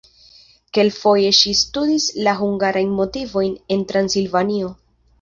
Kelkfoje ŝi studis la hungarajn motivojn en Transilvanio.